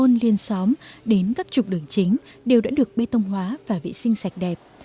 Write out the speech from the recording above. từ các đường liên xóm đến các trục đường chính đều đã được bê tông hóa và vệ sinh sạch đẹp